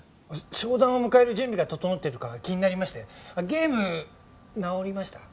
商談を迎える準備が整ってるか気になりましてゲーム直りました？